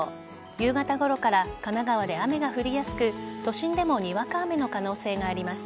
夕方ごろから神奈川で雨が降りやすく都心でもにわか雨の可能性があります。